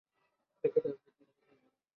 এটা সাদা স্বর্ণ।